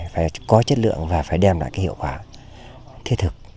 phải có chất lượng và phải đem lại cái hiệu quả thiết thực